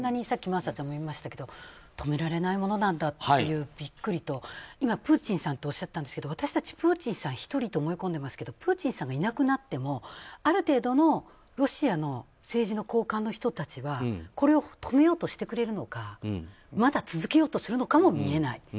さっき真麻ちゃんも言いましたけど止められないものなんだというビックリと今、プーチンさんっておっしゃったんですけど私たち、プーチンさん１人と思い込んでますけどプーチンさんがいなくなってもある程度のロシアの政治の高官の人たちはこれを止めようとしてくれるのかまだ続けようとするのかも見えない。